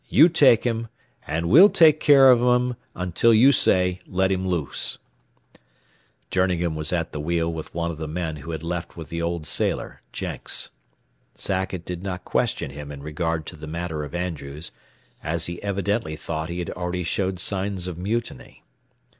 "You take him, and we'll take care of him until you say let him loose." Journegan was at the wheel with one of the men who had left with the old sailor, Jenks. Sackett did not question him in regard to the matter of Andrews, as he evidently thought he had already showed signs of mutiny.